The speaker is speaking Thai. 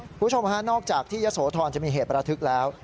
คุณผู้ชมฮะนอกจากที่ยะโสธรจะมีเหตุประทึกแล้ว